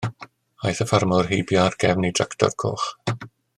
Aeth y ffarmwr heibio ar gefn ei dractor coch.